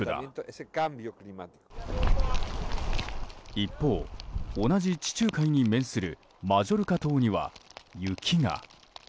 一方、同じ地中海に面するマジョルカ島には雪が。